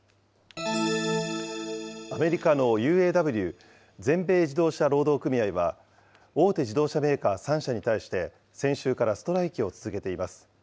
アメリカのＵＡＷ・全米自動車労働組合は、大手自動車メーカー３社に対して、先週からストライキを続けています。